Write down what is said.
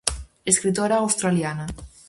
Escritora australiana.